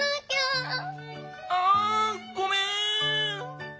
あごめん。